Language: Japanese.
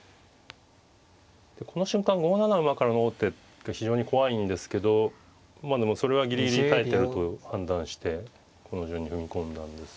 この瞬間５七馬からの王手が非常に怖いんですけどまあでもそれはギリギリ耐えてると判断してこの順に踏み込んだんでしょうね。